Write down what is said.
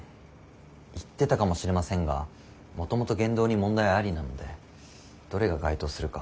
言ってたかもしれませんがもともと言動に問題ありなのでどれが該当するか。